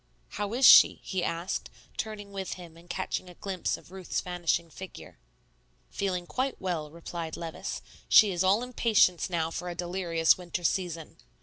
"How is she?" he asked, turning with him and catching a glimpse of Ruth's vanishing figure. "Feeling quite well," replied Levice; "she is all impatience now for a delirious winter season."